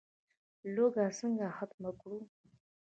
لوږه څنګه ختمه کړو؟